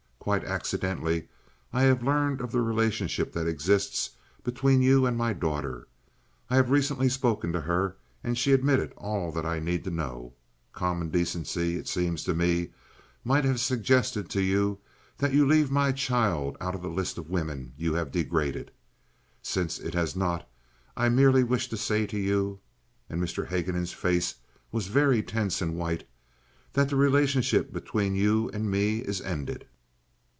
Quite accidentally I have learned of the relationship that exists between you and my daughter. I have recently spoken to her, and she admitted all that I need to know. Common decency, it seems to me, might have suggested to you that you leave my child out of the list of women you have degraded. Since it has not, I merely wish to say to you"—and Mr. Haguenin's face was very tense and white—"that the relationship between you and me is ended.